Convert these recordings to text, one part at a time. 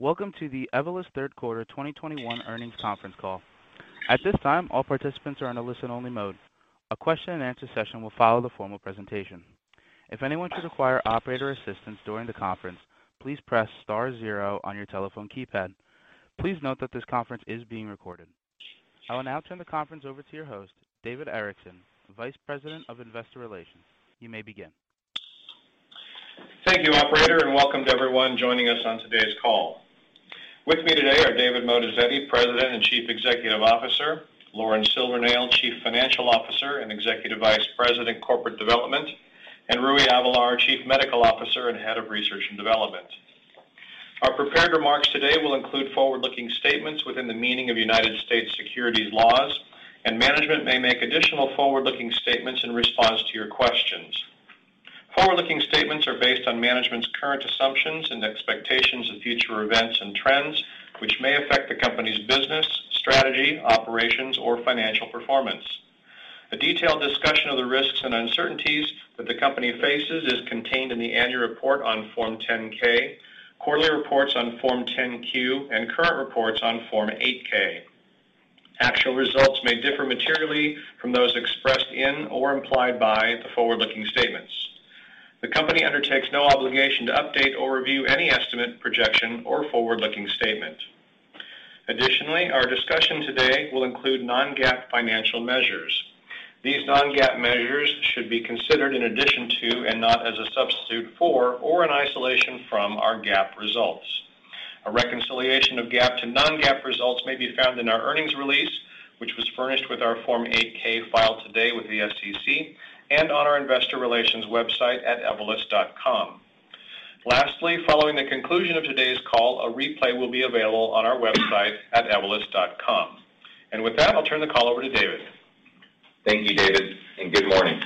Welcome to the Evolus third quarter 2021 earnings conference call. At this time, all participants are in a listen-only mode. A question-and-answer session will follow the formal presentation. If anyone should require operator assistance during the conference, please press star zero on your telephone keypad. Please note that this conference is being recorded. I will now turn the conference over to your host, David Erickson, Vice President of Investor Relations. You may begin. Thank you, operator, and welcome to everyone joining us on today's call. With me today are David Moatazedi, President and Chief Executive Officer, Lauren Silvernail, Chief Financial Officer and Executive Vice President Corporate Development, and Rui Avelar, Chief Medical Officer and Head of Research and Development. Our prepared remarks today will include forward-looking statements within the meaning of United States securities laws, and management may make additional forward-looking statements in response to your questions. Forward-looking statements are based on management's current assumptions and expectations of future events and trends, which may affect the company's business, strategy, operations, or financial performance. A detailed discussion of the risks and uncertainties that the company faces is contained in the annual report on Form 10-K, quarterly reports on Form 10-Q, and current reports on Form 8-K. Actual results may differ materially from those expressed in or implied by the forward-looking statements. The company undertakes no obligation to update or review any estimate, projection, or forward-looking statement. Additionally, our discussion today will include non-GAAP financial measures. These non-GAAP measures should be considered in addition to and not as a substitute for or an isolation from our GAAP results. A reconciliation of GAAP to non-GAAP results may be found in our earnings release, which was furnished with our Form 8-K filed today with the SEC and on our investor relations website at evolus.com. Lastly, following the conclusion of today's call, a replay will be available on our website at evolus.com. With that, I'll turn the call over to David. Thank you, David, and good morning.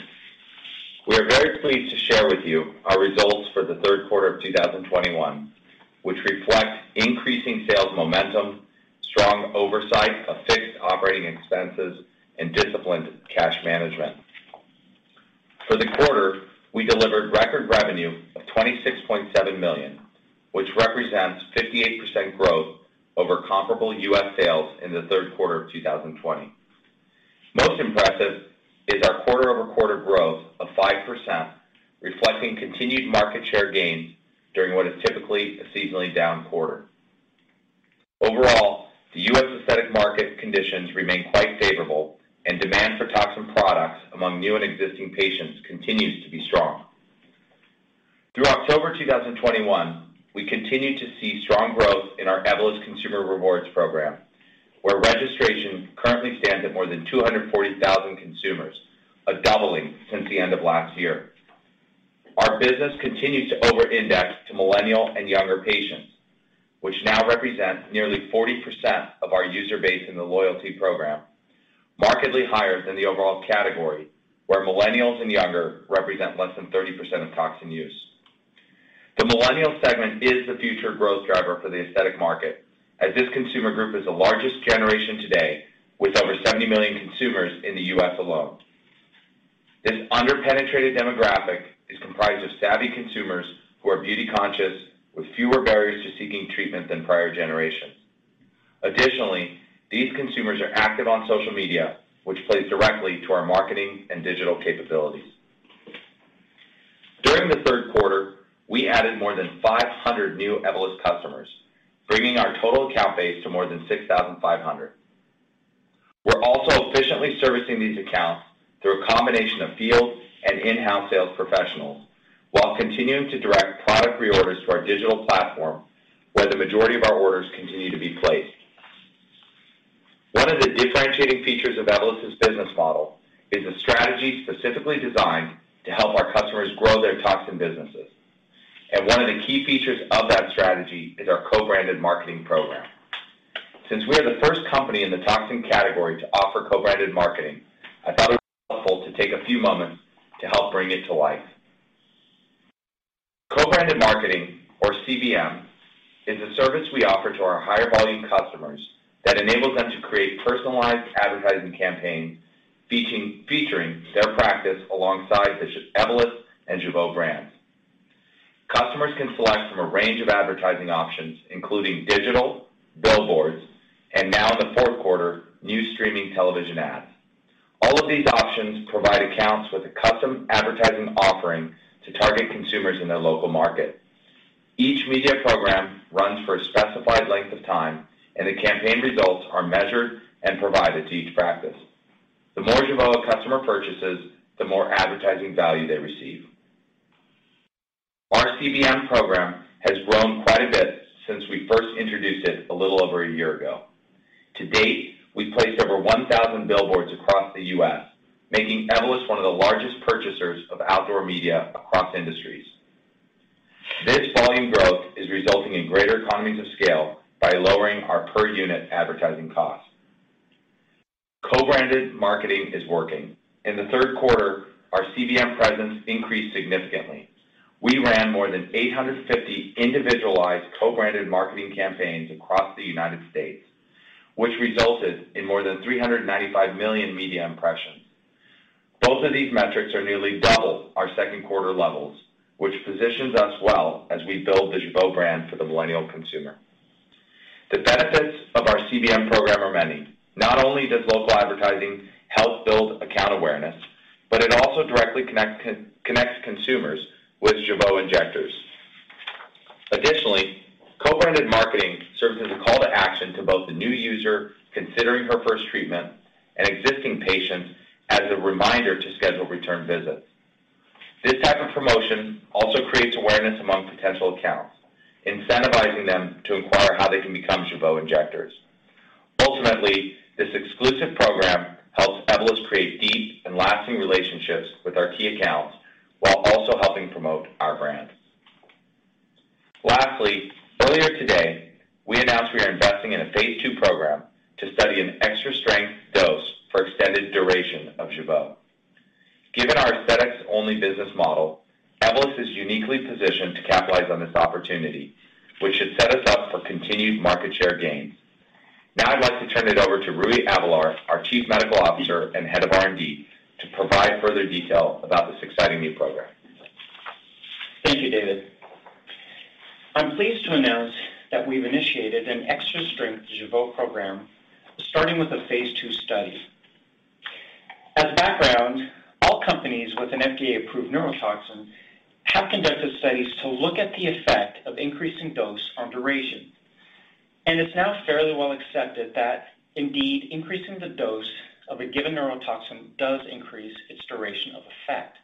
We are very pleased to share with you our results for the third quarter of 2021, which reflect increasing sales momentum, strong oversight of fixed operating expenses, and disciplined cash management. For the quarter, we delivered record revenue of $26.7 million, which represents 58% growth over comparable U.S. sales in the third quarter of 2020. Most impressive is our quarter-over-quarter growth of 5%, reflecting continued market share gains during what is typically a seasonally down quarter. Overall, the U.S. aesthetic market conditions remain quite favorable and demand for toxin products among new and existing patients continues to be strong. Through October 2021, we continued to see strong growth in our Evolus Consumer Rewards program, where registration currently stands at more than 240,000 consumers, a doubling since the end of last year. Our business continues to over-index to millennial and younger patients, which now represents nearly 40% of our user base in the loyalty program, markedly higher than the overall category, where millennials and younger represent less than 30% of toxin use. The millennial segment is the future growth driver for the aesthetic market, as this consumer group is the largest generation today with over 70 million consumers in the U.S. alone. This under-penetrated demographic is comprised of savvy consumers who are beauty conscious with fewer barriers to seeking treatment than prior generations. Additionally, these consumers are active on social media, which plays directly to our marketing and digital capabilities. During the third quarter, we added more than 500 new Evolus customers, bringing our total account base to more than 6,500. We're also efficiently servicing these accounts through a combination of field and in-house sales professionals while continuing to direct product reorders to our digital platform, where the majority of our orders continue to be placed. One of the differentiating features of Evolus's business model is a strategy specifically designed to help our customers grow their toxin businesses, and one of the key features of that strategy is our co-branded marketing program. Since we are the first company in the toxin category to offer co-branded marketing, I thought it would be helpful to take a few moments to help bring it to life. Co-branded marketing or CBM is a service we offer to our higher volume customers that enable them to create personalized advertising campaigns featuring their practice alongside the Evolus and Jeuveau brands. Customers can select from a range of advertising options, including digital, billboards, and now in the fourth quarter, new streaming television ads. All of these options provide accounts with a custom advertising offering to target consumers in their local market. Each media program runs for a specified length of time, and the campaign results are measured and provided to each practice. The more Jeuveau a customer purchases, the more advertising value they receive. Our CBM program has grown quite a bit since we first introduced it a little over a year ago. To date, we've placed over 1,000 billboards across the U.S., making Evolus one of the largest purchasers of outdoor media across industries. This volume growth is resulting in greater economies of scale by lowering our per unit advertising cost. Co-branded marketing is working. In the third quarter, our CBM presence increased significantly. We ran more than 850 individualized co-branded marketing campaigns across the United States, which resulted in more than 395 million media impressions. Both of these metrics are nearly double our second quarter levels, which positions us well as we build the Jeuveau brand for the millennial consumer. The benefits of our CBM program are many. Not only does local advertising help build account awareness, but it also directly connects consumers with Jeuveau injectors. Additionally, co-branded marketing serves as a call to action to both the new user considering her first treatment and existing patients as a reminder to schedule return visits. This type of promotion also creates awareness among potential accounts, incentivizing them to inquire how they can become Jeuveau injectors. Ultimately, this exclusive program helps Evolus create deep and lasting relationships with our key accounts while also helping promote our brand. Lastly, earlier today, we announced we are investing in a phase II program to study an extra-strength dose for extended duration of Jeuveau. Given our aesthetics-only business model, Evolus is uniquely positioned to capitalize on this opportunity, which should set us up for continued market share gains. Now, I'd like to turn it over to Rui Avelar, our Chief Medical Officer and Head of R&D, to provide further detail about this exciting new program. Thank you, David. I'm pleased to announce that we've initiated an extra-strength Jeuveau program, starting with a phase II study. As background, all companies with an FDA-approved neurotoxin have conducted studies to look at the effect of increasing dose on duration, and it's now fairly well accepted that indeed increasing the dose of a given neurotoxin does increase its duration of effect.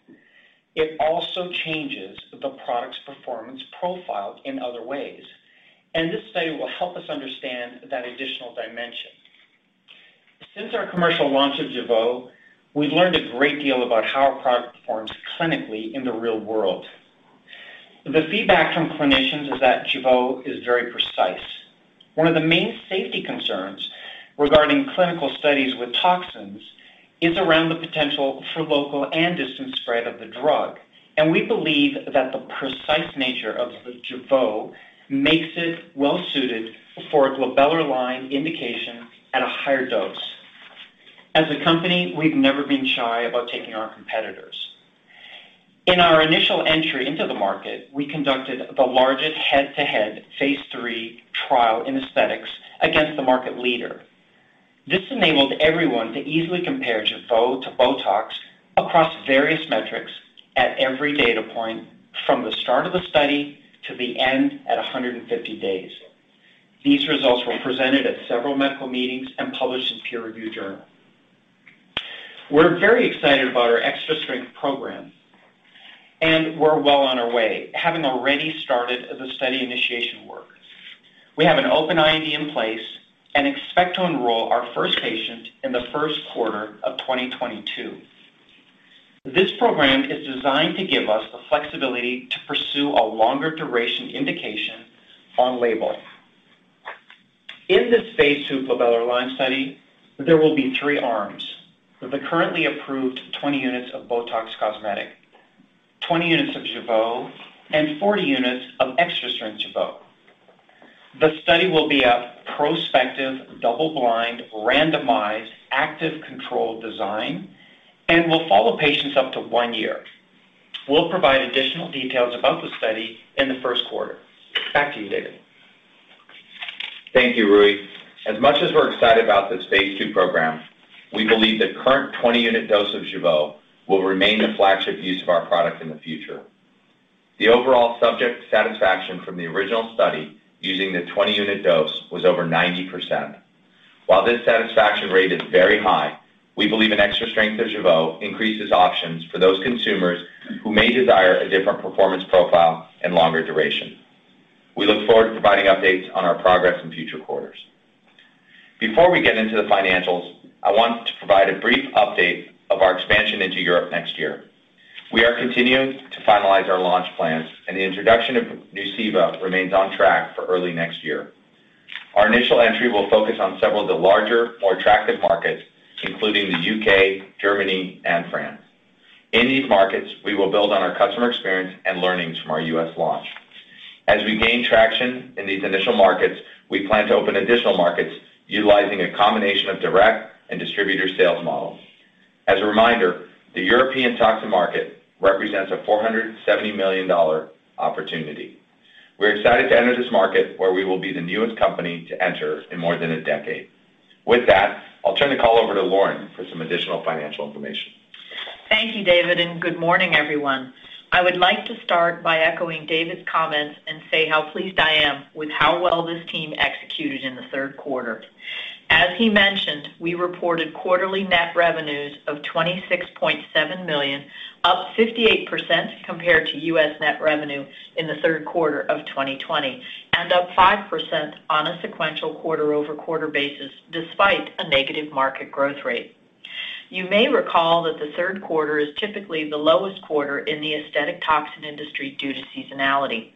It also changes the product's performance profile in other ways, and this study will help us understand that additional dimension. Since our commercial launch of Jeuveau, we've learned a great deal about how our product performs clinically in the real world. The feedback from clinicians is that Jeuveau is very precise. One of the main safety concerns regarding clinical studies with toxins is around the potential for local and distant spread of the drug, and we believe that the precise nature of the Jeuveau makes it well suited for a glabellar line indication at a higher dose. As a company, we've never been shy about taking on competitors. In our initial entry into the market, we conducted the largest head-to-head phase III trial in aesthetics against the market leader. This enabled everyone to easily compare Jeuveau to BOTOX across various metrics at every data point from the start of the study to the end at 150 days. These results were presented at several medical meetings and published in peer-reviewed journal. We're very excited about our extra-strength program, and we're well on our way, having already started the study initiation work. We have an open IND in place and expect to enroll our first patient in the first quarter of 2022. This program is designed to give us the flexibility to pursue a longer duration indication on label. In this phase II glabellar line study, there will be 3 arms with the currently approved 20 units of BOTOX® Cosmetic, 20 units of Jeuveau, and 40 units of extra-strength Jeuveau. The study will be a prospective, double-blind, randomized, active control design and will follow patients up to one year. We'll provide additional details about the study in the first quarter. Back to you, David. Thank you, Rui. As much as we're excited about this phase II program, we believe the current 20-unit dose of Jeuveau will remain the flagship use of our product in the future. The overall subject satisfaction from the original study using the 20-unit dose was over 90%. While this satisfaction rate is very high, we believe an extra strength of Jeuveau increases options for those consumers who may desire a different performance profile and longer duration. We look forward to providing updates on our progress in future quarters. Before we get into the financials, I want to provide a brief update of our expansion into Europe next year. We are continuing to finalize our launch plans, and the introduction of Nuceiva remains on track for early next year. Our initial entry will focus on several of the larger, more attractive markets, including the U.K., Germany, and France. In these markets, we will build on our customer experience and learnings from our U.S. launch. As we gain traction in these initial markets, we plan to open additional markets utilizing a combination of direct and distributor sales models. As a reminder, the European toxin market represents a $470 million opportunity. We're excited to enter this market where we will be the newest company to enter in more than a decade. With that, I'll turn the call over to Lauren for some additional financial information. Thank you, David, and good morning, everyone. I would like to start by echoing David's comments and say how pleased I am with how well this team executed in the third quarter. As he mentioned, we reported quarterly net revenues of $26.7 million, up 58% compared to U.S. net revenue in the third quarter of 2020, and up 5% on a sequential quarter-over-quarter basis, despite a negative market growth rate. You may recall that the third quarter is typically the lowest quarter in the aesthetic toxin industry due to seasonality.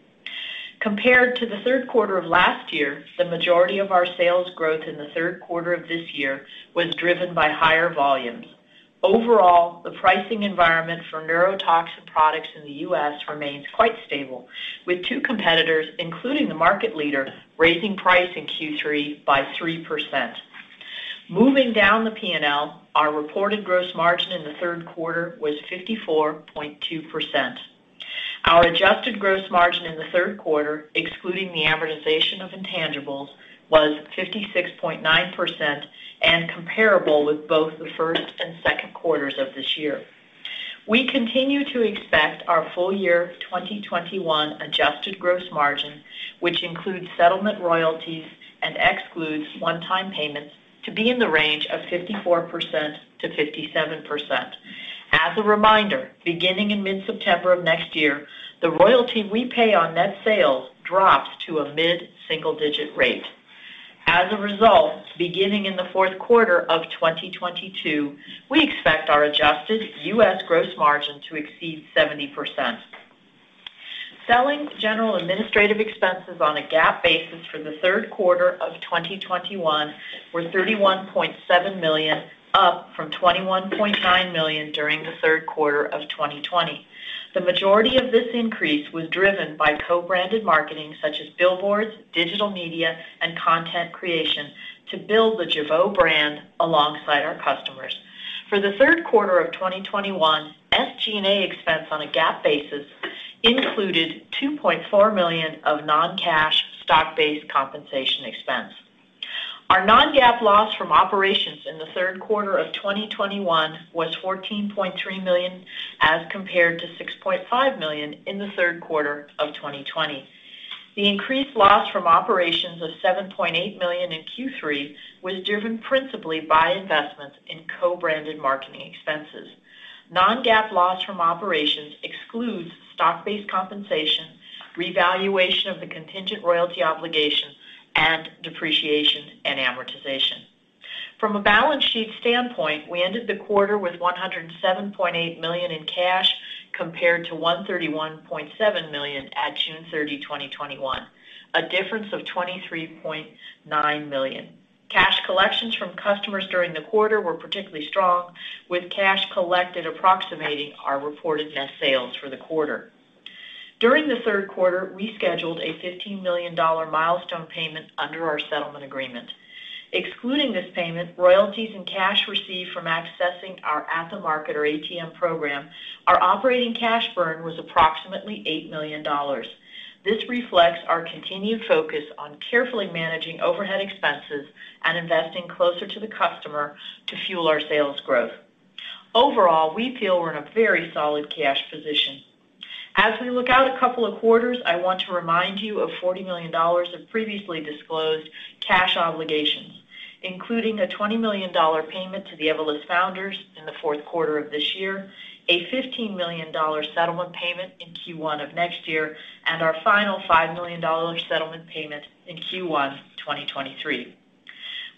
Compared to the third quarter of last year, the majority of our sales growth in the third quarter of this year was driven by higher volumes. Overall, the pricing environment for neurotoxin products in the U.S. remains quite stable, with two competitors, including the market leader, raising price in Q3 by 3%. Moving down the P&L, our reported gross margin in the third quarter was 54.2%. Our adjusted gross margin in the third quarter, excluding the amortization of intangibles, was 56.9% and comparable with both the first and second quarters of this year. We continue to expect our full year 2021 adjusted gross margin, which includes settlement royalties and excludes one-time payments to be in the range of 54%-57%. As a reminder, beginning in mid-September of next year, the royalty we pay on net sales drops to a mid-single-digit rate. As a result, beginning in the fourth quarter of 2022, we expect our adjusted U.S. gross margin to exceed 70%. Selling, general and administrative expenses on a GAAP basis for the third quarter of 2021 were $31.7 million, up from $21.9 million during the third quarter of 2020. The majority of this increase was driven by co-branded marketing such as billboards, digital media, and content creation to build the Jeuveau brand alongside our customers. For the third quarter of 2021, SG&A expense on a GAAP basis included $2.4 million of non-cash stock-based compensation expense. Our non-GAAP loss from operations in the third quarter of 2021 was $14.3 million as compared to $6.5 million in the third quarter of 2020. The increased loss from operations of $7.8 million in Q3 was driven principally by investments in co-branded marketing expenses. Non-GAAP loss from operations excludes stock-based compensation, revaluation of the contingent royalty obligation, and depreciation and amortization. From a balance sheet standpoint, we ended the quarter with $107.8 million in cash compared to $131.7 million on June 30, 2021, a difference of $23.9 million. Cash collections from customers during the quarter were particularly strong, with cash collected approximating our reported net sales for the quarter. During the third quarter, we scheduled a $15 million milestone payment under our settlement agreement. Excluding this payment, royalties and cash received from accessing our At The Market, or ATM program, our operating cash burn was approximately $8 million. This reflects our continued focus on carefully managing overhead expenses and investing closer to the customer to fuel our sales growth. Overall, we feel we're in a very solid cash position. As we look out a couple of quarters, I want to remind you of $40 million of previously disclosed cash obligations, including a $20 million payment to the Evolus founders in the fourth quarter of this year, a $15 million settlement payment in Q1 of next year, and our final $5 million settlement payment in Q1 2023.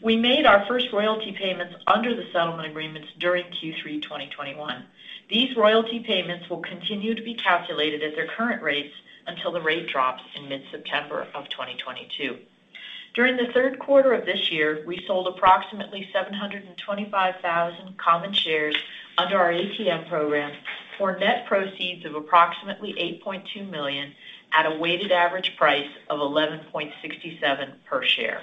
We made our first royalty payments under the settlement agreements during Q3 2021. These royalty payments will continue to be calculated at their current rates until the rate drops in mid-September of 2022. During the third quarter of this year, we sold approximately 725,000 common shares under our ATM program for net proceeds of approximately $8.2 million at a weighted average price of $11.67 per share.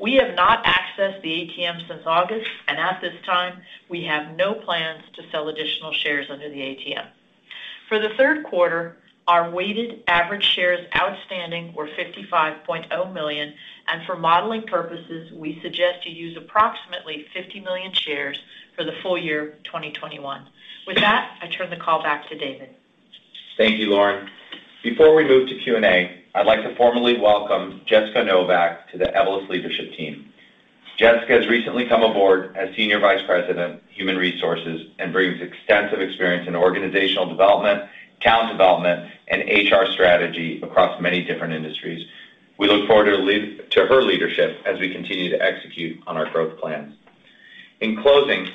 We have not accessed the ATM since August, and at this time, we have no plans to sell additional shares under the ATM. For the third quarter, our weighted average shares outstanding were $55.0 million, and for modeling purposes, we suggest you use approximately $50 million shares for the full year 2021. With that, I turn the call back to David. Thank you, Lauren. Before we move to Q&A, I'd like to formally welcome Jessica Novak to the Evolus leadership team. Jessica has recently come aboard as Senior Vice President, Human Resources, and brings extensive experience in organizational development, talent development, and HR strategy across many different industries. We look forward to her leadership as we continue to execute on our growth plans. In closing,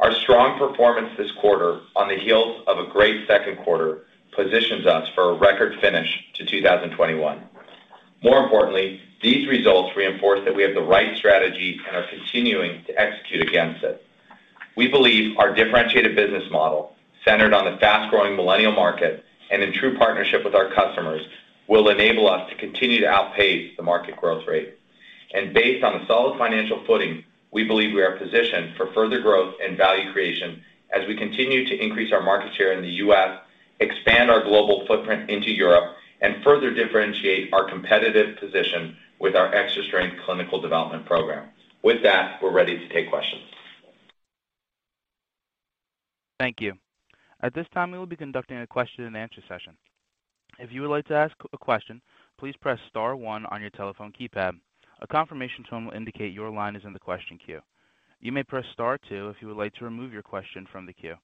our strong performance this quarter on the heels of a great second quarter positions us for a record finish to 2021. More importantly, these results reinforce that we have the right strategy and are continuing to execute against it. We believe our differentiated business model, centered on the fast-growing millennial market and in true partnership with our customers, will enable us to continue to outpace the market growth rate. Based on a solid financial footing, we believe we are positioned for further growth and value creation as we continue to increase our market share in the U.S., expand our global footprint into Europe, and further differentiate our competitive position with our extra-strength clinical development program. With that, we're ready to take questions. Thank you. At this time, we will be conducting a question-and-answer session. If you would like to ask a question, please press star one on your telephone keypad. A confirmation tone will indicate your line is in the question queue. You may press star two if you would like to remove your question from the queue.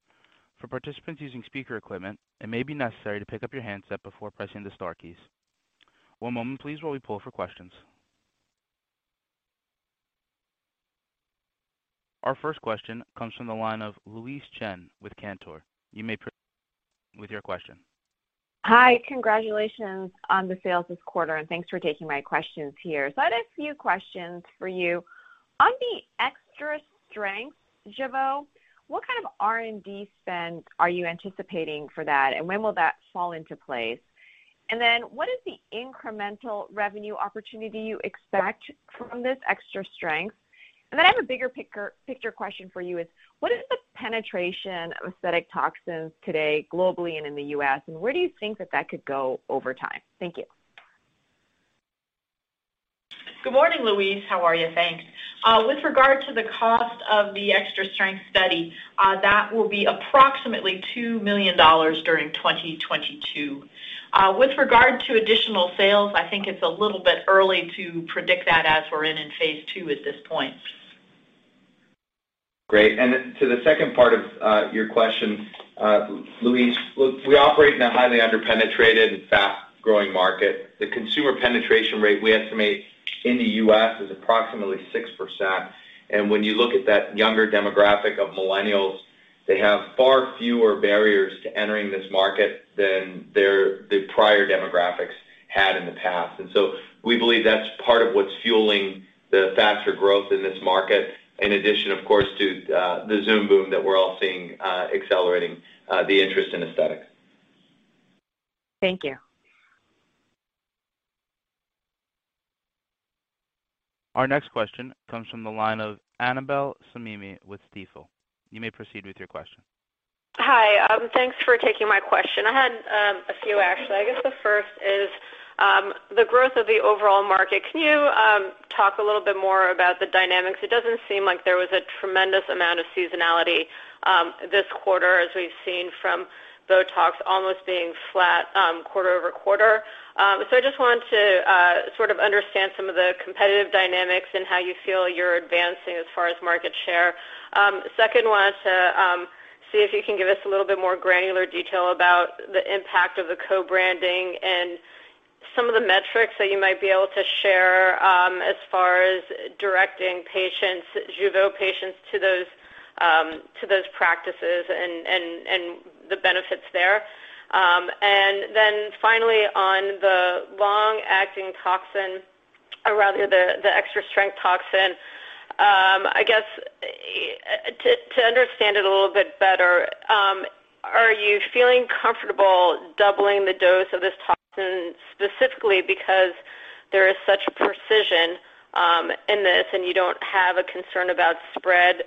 For participants using speaker equipment, it may be necessary to pick up your handset before pressing the star keys. One moment please while we pull for questions. Our first question comes from the line of Louise Chen with Cantor. You may proceed with your question. Hi. Congratulations on the sales this quarter, and thanks for taking my questions here. I had a few questions for you. On the extra strength Jeuveau, what kind of R&D spend are you anticipating for that, and when will that fall into place? What is the incremental revenue opportunity you expect from this extra strength? I have a bigger picture question for you is, what is the penetration of aesthetic toxins today, globally and in the U.S.? Where do you think that could go over time? Thank you. Good morning, Louise. How are you? Thanks. With regard to the cost of the extra strength study, that will be approximately $2 million during 2022. With regard to additional sales, I think it's a little bit early to predict that as we're in phase II at this point. Great. Then to the second part of your question, Louise. Look, we operate in a highly under-penetrated and fast-growing market. The consumer penetration rate we estimate in the U.S. is approximately 6%. When you look at that younger demographic of millennials, they have far fewer barriers to entering this market than the prior demographics had in the past. We believe that's part of what's fueling the faster growth in this market, in addition, of course, to the Zoom boom that we're all seeing accelerating the interest in aesthetics. Thank you. Our next question comes from the line of Annabel Samimy with Stifel. You may proceed with your question. Hi. Thanks for taking my question. I had a few actually. I guess the first is the growth of the overall market. Can you talk a little bit more about the dynamics? It doesn't seem like there was a tremendous amount of seasonality this quarter as we've seen from Botox almost being flat quarter-over-quarter. I just wanted to sort of understand some of the competitive dynamics and how you feel you're advancing as far as market share. Second was to see if you can give us a little bit more granular detail about the impact of the co-branding and some of the metrics that you might be able to share as far as directing patients, Jeuveau patients to those practices and the benefits there. Finally, on the long-acting toxin or rather the extra strength toxin, I guess, to understand it a little bit better, are you feeling comfortable doubling the dose of this toxin specifically because there is such precision in this, and you don't have a concern about spread?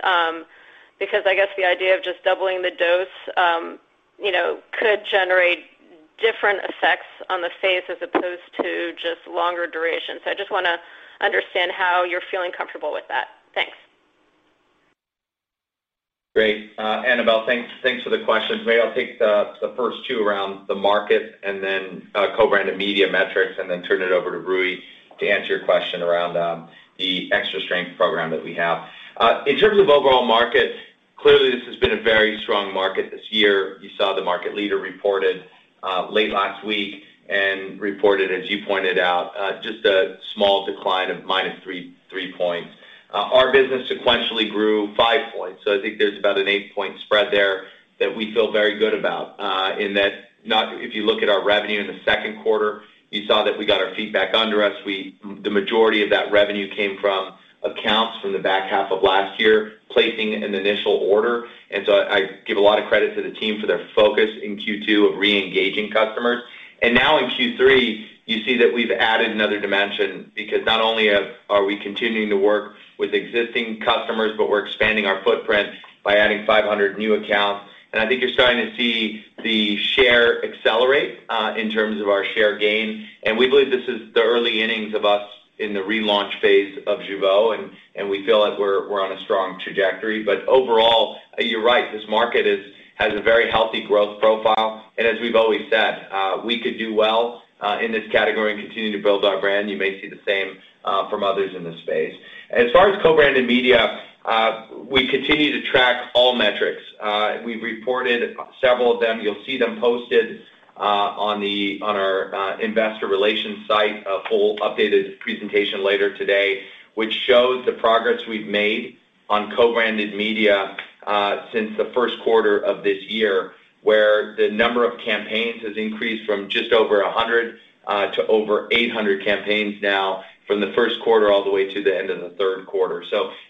Because I guess the idea of just doubling the dose, you know, could generate different effects on the face as opposed to just longer duration. I just wanna understand how you're feeling comfortable with that. Thanks. Great. Annabel, thanks for the question. Maybe I'll take the first two around the market and then co-branded media metrics and then turn it over to Rui to answer your question around the extra strength program that we have. In terms of overall market, clearly this has been a very strong market this year. You saw the market leader reported late last week and reported, as you pointed out, just a small decline of -3.3 points. Our business sequentially grew 5 points. I think there's about an 8-point spread there that we feel very good about, in that. If you look at our revenue in the second quarter, you saw that we got our feet back under us. The majority of that revenue came from accounts from the back half of last year, placing an initial order. I give a lot of credit to the team for their focus in Q2 of re-engaging customers. Now in Q3, you see that we've added another dimension because not only are we continuing to work with existing customers, but we're expanding our footprint by adding 500 new accounts. I think you're starting to see the share accelerate in terms of our share gain. We believe this is the early innings of us in the relaunch phase of Jeuveau, and we feel like we're on a strong trajectory. Overall, you're right, this market has a very healthy growth profile. As we've always said, we could do well in this category and continue to build our brand. You may see the same from others in this space. As far as co-branded media, we continue to track all metrics. We've reported several of them. You'll see them posted on our investor relations site, a full updated presentation later today, which shows the progress we've made on co-branded media since the first quarter of this year, where the number of campaigns has increased from just over 100 to over 800 campaigns now from the first quarter all the way to the end of the third quarter.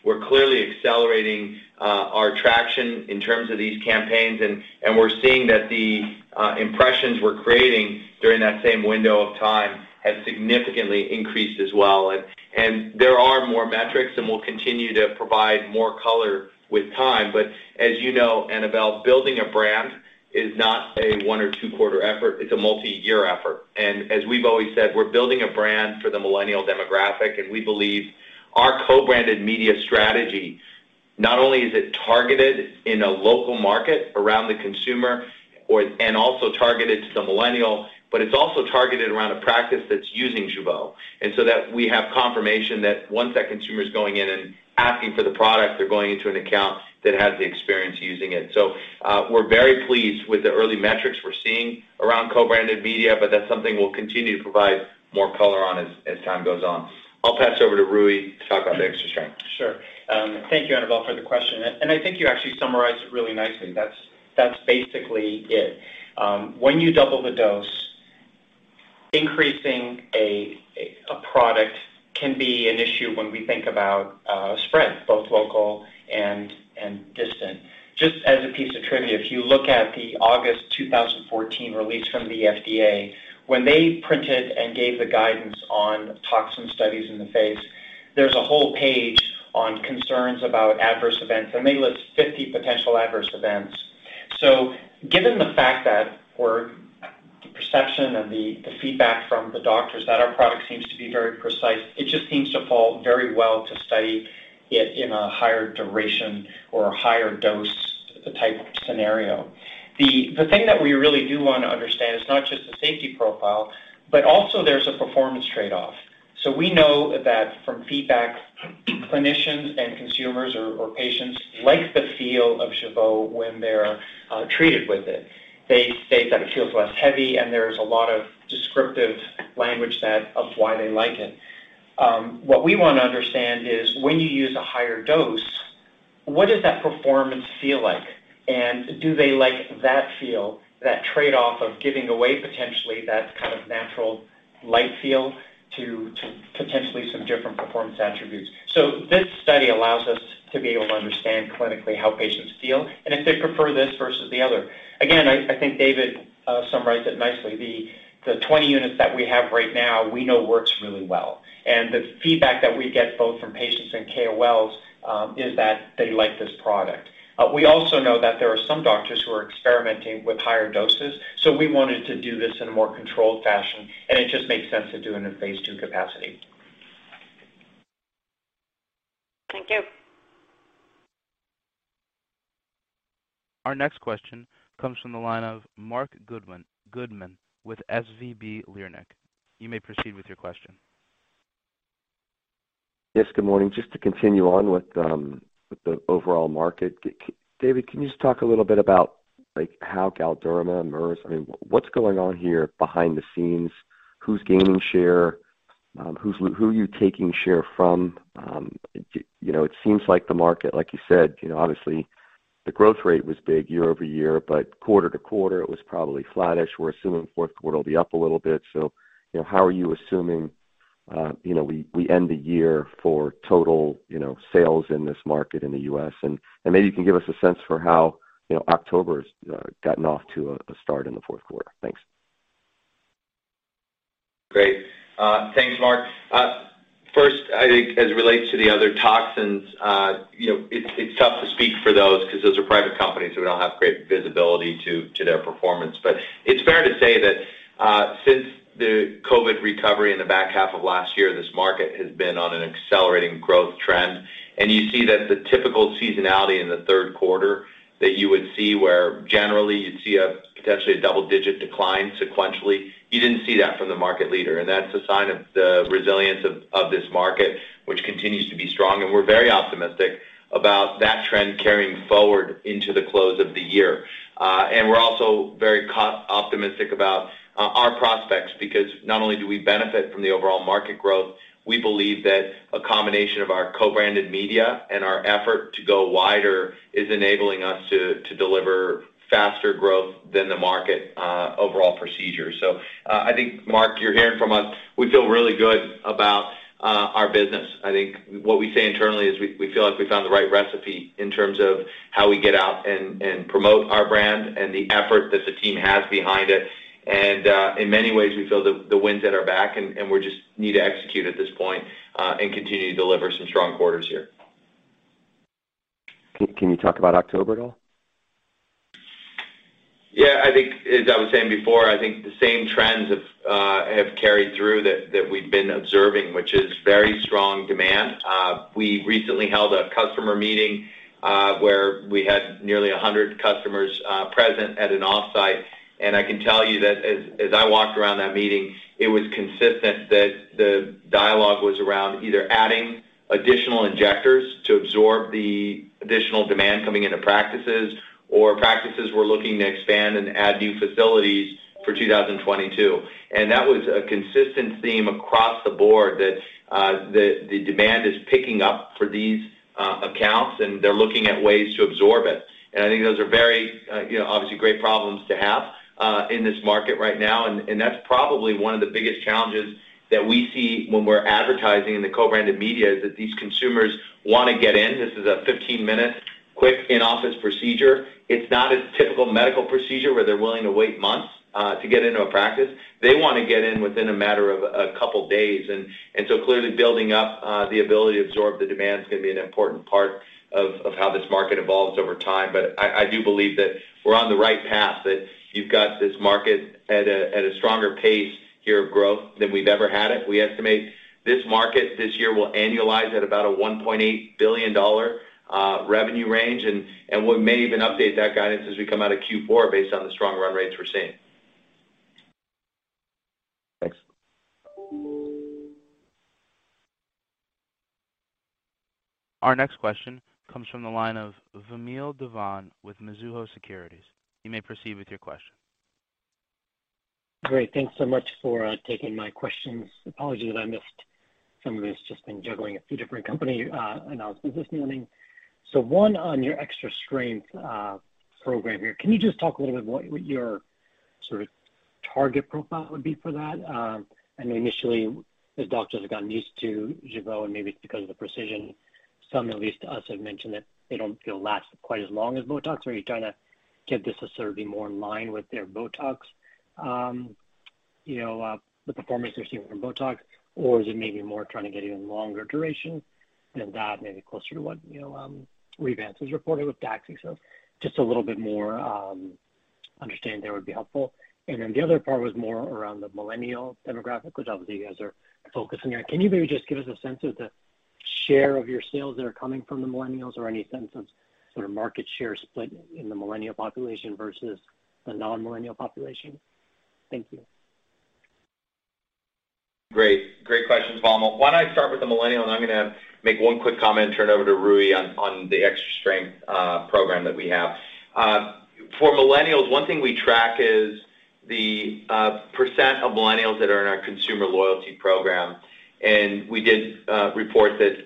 We're clearly accelerating our traction in terms of these campaigns and we're seeing that the impressions we're creating during that same window of time have significantly increased as well. There are more metrics, and we'll continue to provide more color with time. As you know, Annabel, building a brand is not a one- or two-quarter effort, it's a multi-year effort. As we've always said, we're building a brand for the millennial demographic, and we believe our co-branded media strategy, not only is it targeted in a local market around the consumer and also targeted to the millennial, but it's also targeted around a practice that's using Jeuveau. We have confirmation that once that consumer is going in and asking for the product, they're going into an account that has the experience using it. We're very pleased with the early metrics we're seeing around co-branded media, but that's something we'll continue to provide more color on as time goes on. I'll pass over to Rui to talk about the extra strength. Sure. Thank you, Annabel, for the question. I think you actually summarized it really nicely. That's basically it. When you double the dose, increasing a product can be an issue when we think about spread, both local and distant. Just as a piece of trivia, if you look at the August 2014 release from the FDA, when they printed and gave the guidance on toxin studies in the face, there's a whole page on concerns about adverse events, and they list 50 potential adverse events. Given the fact that the perception and the feedback from the doctors that our product seems to be very precise, it just seems to fall very well to study it in a higher duration or a higher dose type scenario. The thing that we really do wanna understand is not just the safety profile, but also there's a performance trade-off. We know that from feedback, clinicians and consumers or patients like the feel of Jeuveau when they're treated with it. They say that it feels less heavy, and there's a lot of descriptive language that of why they like it. What we wanna understand is when you use a higher dose, what does that performance feel like? Do they like that feel, that trade-off of giving away potentially that kind of natural light feel to potentially some different performance attributes? This study allows us to be able to understand clinically how patients feel and if they prefer this versus the other. Again, I think David summarized it nicely. The 20 units that we have right now, we know works really well. The feedback that we get both from patients and KOLs is that they like this product. We also know that there are some doctors who are experimenting with higher doses, so we wanted to do this in a more controlled fashion, and it just made sense to do it in a phase II capacity. Thank you. Our next question comes from the line of Marc Goodman with SVB Leerink. You may proceed with your question. Yes, good morning. Just to continue on with the overall market. David, can you just talk a little bit about, like, how Galderma and Merz, I mean, what's going on here behind the scenes? Who's gaining share? Who are you taking share from? You know, it seems like the market, like you said, you know, obviously the growth rate was big year-over-year, but quarter-to-quarter it was probably flattish. We're assuming fourth quarter will be up a little bit. You know, how are you assuming we end the year for total sales in this market in the U.S.? And maybe you can give us a sense for how October's gotten off to a start in the fourth quarter. Thanks. Great. Thanks, Marc. First, I think as it relates to the other toxins, you know, it's tough to speak for those because those are private companies. We don't have great visibility to their performance. It's fair to say that since the COVID recovery in the back half of last year, this market has been on an accelerating growth trend. You see that the typical seasonality in the third quarter that you would see where generally you'd see a potentially double-digit decline sequentially, you didn't see that from the market leader. That's a sign of the resilience of this market, which continues to be strong. We're very optimistic about that trend carrying forward into the close of the year. We're also very optimistic about our prospects because not only do we benefit from the overall market growth, we believe that a combination of our co-branded media and our effort to go wider is enabling us to deliver faster growth than the market overall procedure. I think, Marc, you're hearing from us, we feel really good about our business. I think what we say internally is we feel like we found the right recipe in terms of how we get out and promote our brand and the effort that the team has behind it. In many ways, we feel the winds at our back, and we just need to execute at this point and continue to deliver some strong quarters here. Can you talk about October at all? Yeah, I think as I was saying before, I think the same trends have carried through that we've been observing, which is very strong demand. We recently held a customer meeting, where we had nearly 100 customers present at an offsite. I can tell you that as I walked around that meeting, it was consistent that the dialogue was around either adding additional injectors to absorb the additional demand coming into practices or practices were looking to expand and add new facilities for 2022. That was a consistent theme across the board that the demand is picking up for these accounts, and they're looking at ways to absorb it. I think those are very, you know, obviously great problems to have, in this market right now. That's probably one of the biggest challenges that we see when we're advertising in the co-branded media is that these consumers wanna get in. This is a 15-minute quick in-office procedure. It's not a typical medical procedure where they're willing to wait months to get into a practice. They wanna get in within a matter of a couple days. Clearly building up the ability to absorb the demand is gonna be an important part of how this market evolves over time. I do believe that we're on the right path, that you've got this market at a stronger pace here of growth than we've ever had it. We estimate this market this year will annualize at about a $1.8 billion revenue range. We may even update that guidance as we come out of Q4 based on the strong run rates we're seeing. Thanks. Our next question comes from the line of Vamil Divan with Mizuho Securities. You may proceed with your question. Great. Thanks so much for taking my questions. Apologies that I missed some of this. Just been juggling a few different company announcements this morning. One on your extra strength program here. Can you just talk a little bit what your sort of target profile would be for that. I know initially as doctors have gotten used to Jeuveau, and maybe it's because of the precision, some, at least us, have mentioned that they don't feel it lasts quite as long as Botox. Are you trying to get this to sort of be more in line with their Botox? You know, the performance they're seeing from Botox? Or is it maybe more trying to get even longer duration than that, maybe closer to what, you know, Revance Therapeutics has reported with Daxxify? Just a little bit more understanding there would be helpful. Then the other part was more around the millennial demographic, which obviously you guys are focusing on. Can you maybe just give us a sense of the share of your sales that are coming from the millennials or any sense of sort of market share split in the millennial population versus the non-millennial population? Thank you. Great questions, Vamil. Why don't I start with the millennials, and I'm gonna make one quick comment and turn it over to Rui on the Extra Strength program that we have. For millennials, one thing we track is the percent of millennials that are in our consumer loyalty program. We did report that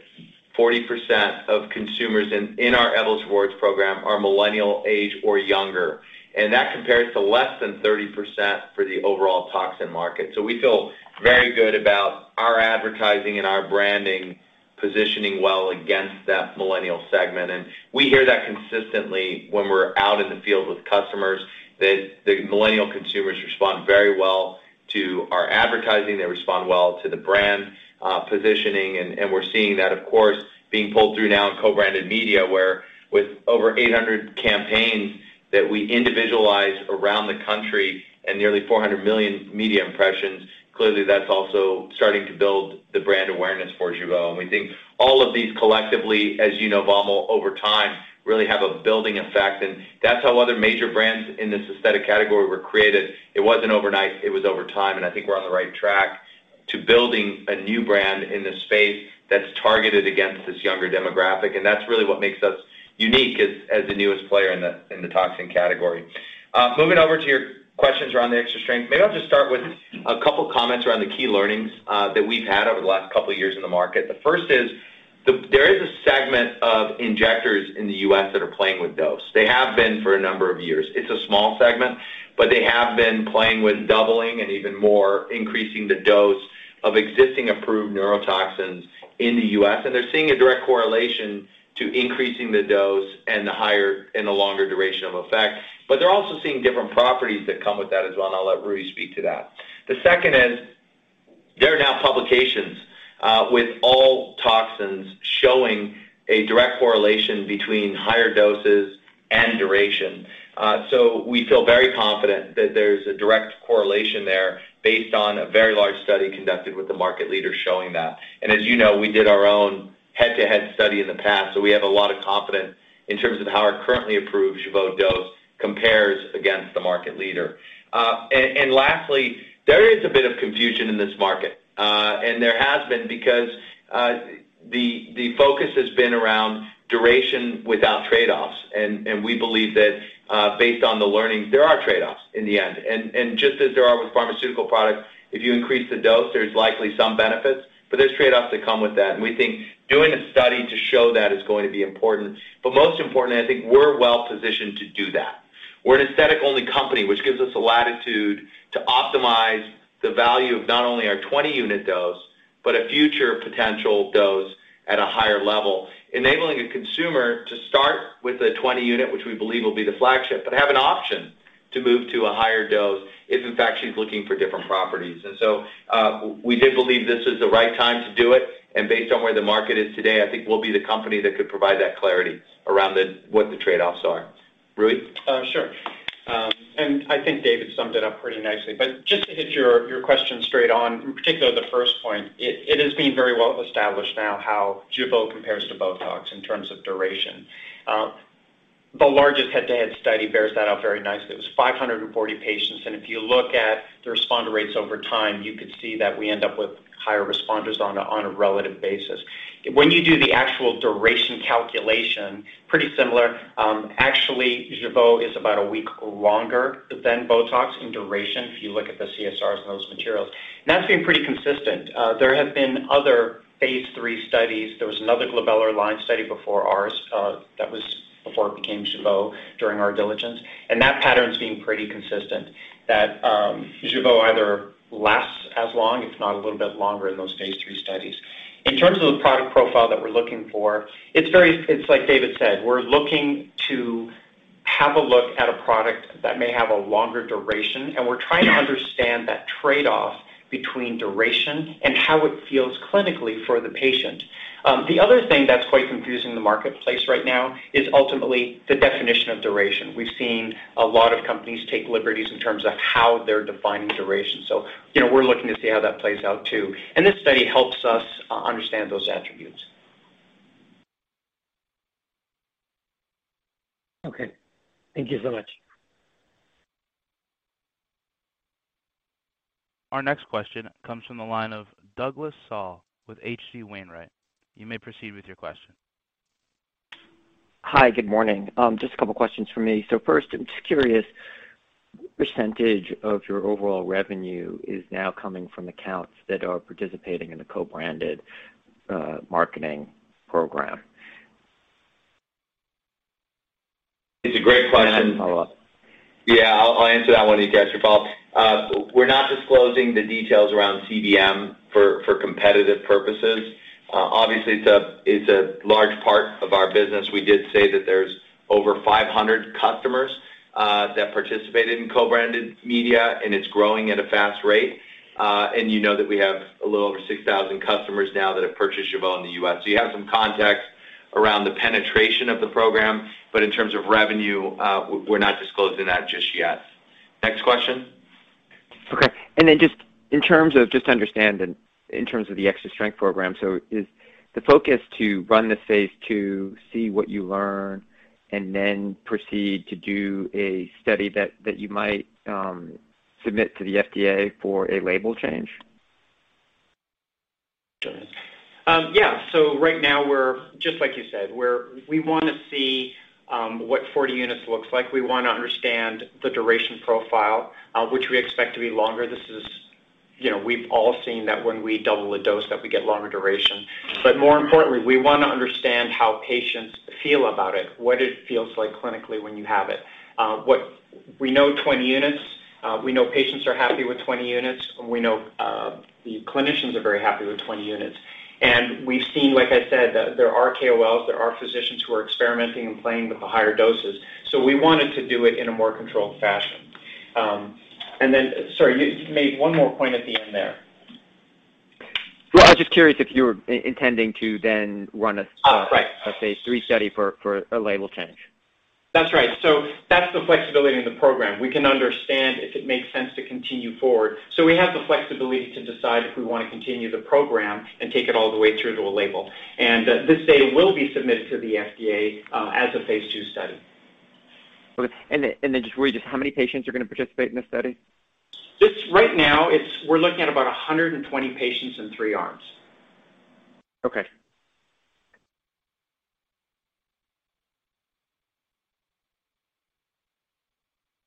40% of consumers in our Evolus Rewards program are millennial age or younger, and that compares to less than 30% for the overall toxin market. We feel very good about our advertising and our branding positioning well against that millennial segment. We hear that consistently when we're out in the field with customers that the millennial consumers respond very well to our advertising. They respond well to the brand positioning. We're seeing that, of course, being pulled through now in co-branded media, where with over 800 campaigns that we individualize around the country and nearly 400 million media impressions, clearly that's also starting to build the brand awareness for Jeuveau. We think all of these collectively, as you know, Vamil, over time, really have a building effect, and that's how other major brands in this aesthetic category were created. It wasn't overnight. It was over time, and I think we're on the right track to building a new brand in this space that's targeted against this younger demographic, and that's really what makes us unique as the newest player in the toxin category. Moving over to your questions around the Extra Strength, maybe I'll just start with a couple comments around the key learnings that we've had over the last couple of years in the market. The first is there is a segment of injectors in the U.S. that are playing with dose. They have been for a number of years. It's a small segment, but they have been playing with doubling and even more increasing the dose of existing approved neurotoxins in the U.S., and they're seeing a direct correlation to increasing the dose and the higher and the longer duration of effect. They're also seeing different properties that come with that as well, and I'll let Rui speak to that. The second is there are now publications with all toxins showing a direct correlation between higher doses and duration. We feel very confident that there's a direct correlation there based on a very large study conducted with the market leader showing that. As you know, we did our own head-to-head study in the past, so we have a lot of confidence in terms of how our currently approved Jeuveau dose compares against the market leader. Lastly, there is a bit of confusion in this market, and there has been because the focus has been around duration without trade-offs. We believe that, based on the learnings, there are trade-offs in the end. Just as there are with pharmaceutical products, if you increase the dose, there's likely some benefits, but there's trade-offs that come with that. We think doing a study to show that is going to be important. Most importantly, I think we're well positioned to do that. We're an aesthetic-only company, which gives us the latitude to optimize the value of not only our 20-unit dose but a future potential dose at a higher level, enabling a consumer to start with the 20 unit, which we believe will be the flagship, but have an option to move to a higher dose if in fact she's looking for different properties. We did believe this is the right time to do it. Based on where the market is today, I think we'll be the company that could provide that clarity around what the trade-offs are. Rui? Sure. I think David summed it up pretty nicely. Just to hit your question straight on, in particular the first point, it has been very well established now how Jeuveau compares to Botox in terms of duration. The largest head-to-head study bears that out very nicely. It was 540 patients, and if you look at the responder rates over time, you could see that we end up with higher responders on a relative basis. When you do the actual duration calculation, pretty similar. Actually, Jeuveau is about a week longer than Botox in duration if you look at the CSRs and those materials. That's been pretty consistent. There have been other phase III studies. There was another glabellar line study before ours, that was before it became Jeuveau during our diligence. That pattern's been pretty consistent, that Jeuveau either lasts as long, if not a little bit longer, in those phase III studies. In terms of the product profile that we're looking for, it's like David said, we're looking to have a look at a product that may have a longer duration, and we're trying to understand that trade-off between duration and how it feels clinically for the patient. The other thing that's quite confusing in the marketplace right now is ultimately the definition of duration. We've seen a lot of companies take liberties in terms of how they're defining duration. You know, we're looking to see how that plays out too. This study helps us understand those attributes. Okay. Thank you so much. Our next question comes from the line of Douglas Tsao with H.C. Wainwright. You may proceed with your question. Hi. Good morning. Just a couple questions from me. First, I'm just curious, what percentage of your overall revenue is now coming from accounts that are participating in the co-branded marketing program? It's a great question. Yeah, I'll answer that one and you can ask your follow-up. We're not disclosing the details around CBM for competitive purposes. Obviously, it's a large part of our business. We did say that there's over 500 customers that participated in co-branded media, and it's growing at a fast rate. You know that we have a little over 6,000 customers now that have purchased Jeuveau in the U.S. You have some context around the penetration of the program, but in terms of revenue, we're not disclosing that just yet. Next question. Okay. Then just in terms of just understanding, in terms of the extra strength program, so is the focus to run the phase II, see what you learn, and then proceed to do a study that you might submit to the FDA for a label change? Right now, just like you said, we want to see what 40 units looks like. We want to understand the duration profile, which we expect to be longer. This is, you know, we've all seen that when we double a dose that we get longer duration. More importantly, we want to understand how patients feel about it, what it feels like clinically when you have it. We know 20 units. We know patients are happy with 20 units. We know the clinicians are very happy with 20 units. And we've seen, like I said, that there are KOLs, there are physicians who are experimenting and playing with the higher doses. We wanted to do it in a more controlled fashion. Sorry, you made one more point at the end there. Well, I was just curious if you were intending to then run a Right. a phase III study for a label change. That's right. That's the flexibility in the program. We can understand if it makes sense to continue forward. We have the flexibility to decide if we wanna continue the program and take it all the way through to a label. This data will be submitted to the FDA as a phase II study. Okay. Just really just how many patients are gonna participate in this study? Just right now, we're looking at about 120 patients in 3 arms. Okay.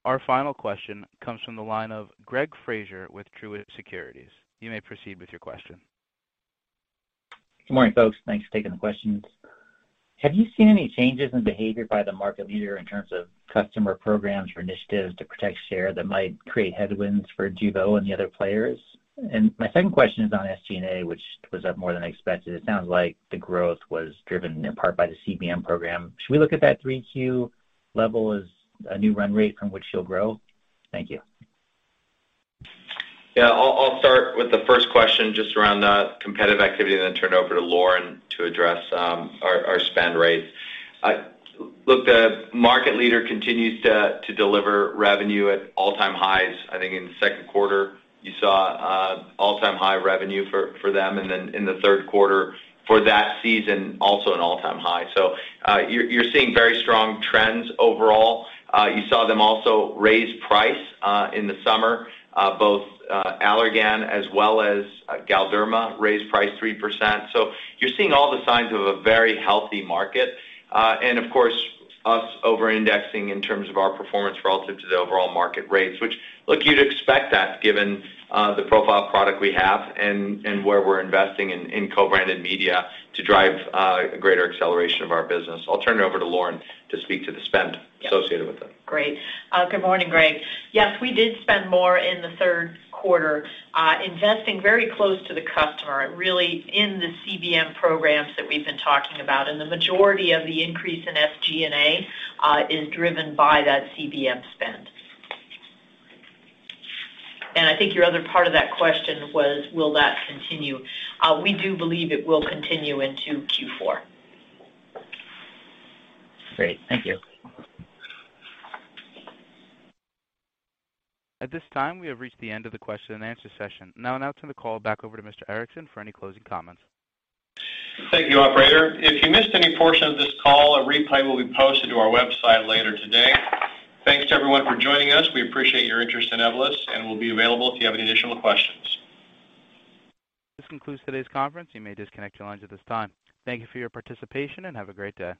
Our final question comes from the line of Gregory Fraser with Truist Securities. You may proceed with your question. Good morning, folks. Thanks for taking the questions. Have you seen any changes in behavior by the market leader in terms of customer programs or initiatives to protect share that might create headwinds for Jeuveau and the other players? My second question is on SG&A, which was up more than I expected. It sounds like the growth was driven in part by the CBM program. Should we look at that 3Q level as a new run rate from which you'll grow? Thank you. Yeah. I'll start with the first question just around the competitive activity and then turn it over to Lauren to address our spend rates. Look, the market leader continues to deliver revenue at all-time highs. I think in the second quarter, you saw all-time high revenue for them, and then in the third quarter for that season, also an all-time high. You're seeing very strong trends overall. You saw them also raise price in the summer both Allergan as well as Galderma raised price 3%. You're seeing all the signs of a very healthy market, and of course, us overindexing in terms of our performance relative to the overall market rates, which, look, you'd expect that given the profile of product we have and where we're investing in co-branded media to drive a greater acceleration of our business. I'll turn it over to Lauren to speak to the spend associated with it. Great. Good morning, Greg. Yes, we did spend more in the third quarter, investing very close to the customer and really in the CBM programs that we've been talking about, and the majority of the increase in SG&A is driven by that CBM spend. I think your other part of that question was will that continue? We do believe it will continue into Q4. Great. Thank you. At this time, we have reached the end of the question-and-answer session. Now I'll turn the call back over to Mr. Erickson for any closing comments. Thank you, operator. If you missed any portion of this call, a replay will be posted to our website later today. Thanks to everyone for joining us. We appreciate your interest in Evolus and we'll be available if you have any additional questions. This concludes today's conference. You may disconnect your lines at this time. Thank you for your participation, and have a great day.